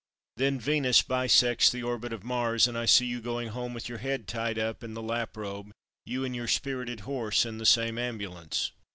Then Venus bisects the orbit of Mars and I see you going home with your head tied up in the lap robe, you and your spirited horse in the same ambulance."